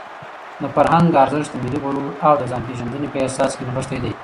د فرهنګ ارزښت د ملي غرور او د ځانپېژندنې په احساس کې نغښتی دی.